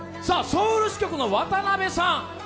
ソウル支局の渡辺さん